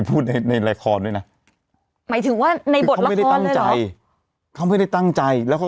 พิมพ์ก็เล่นใช่มั้ย